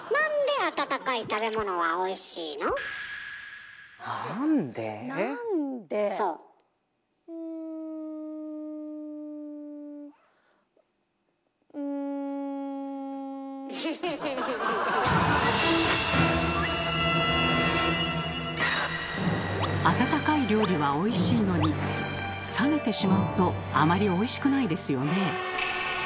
⁉温かい料理はおいしいのに冷めてしまうとあまりおいしくないですよね。